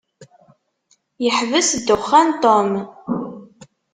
Yeḥbes ddexxan Tom.